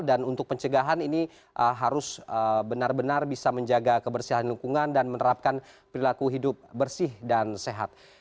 dan untuk pencegahan ini harus benar benar bisa menjaga kebersihan lingkungan dan menerapkan perilaku hidup bersih dan sehat